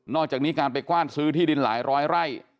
อกจากนี้การไปกว้านซื้อที่ดินหลายร้อยไร่